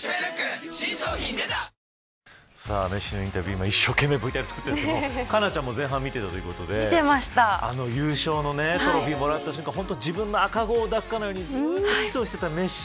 今一生懸命ＶＴＲ作ってるんですけど佳菜ちゃんも前半見ていたということで優勝のトロフィーもらった瞬間自分の赤子のようにずっとキスをしていたメッシ。